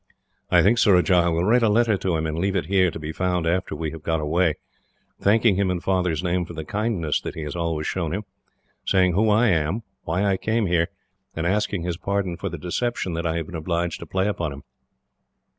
"I think, Surajah, I will write a letter to him, and leave it here, to be found after we have got away, thanking him in Father's name for the kindness that he has always shown him, saying who I am, why I came here, and asking his pardon for the deception that I have been obliged to play upon him.